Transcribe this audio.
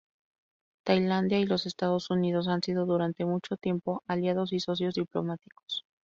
Tailandia y los Estados Unidos han sido durante mucho tiempo aliados y socios diplomáticos.